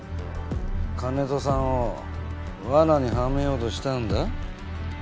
金戸さんを罠にはめようとしたんだ？